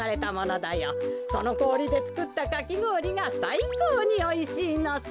そのこおりでつくったかきごおりがさいこうにおいしいのさ。